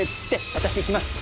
私いきます